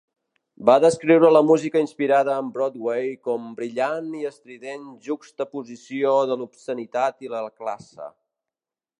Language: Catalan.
Va descriure la música inspirada en Broadway com "brillant i estrident juxtaposició de l'obscenitat i la classe".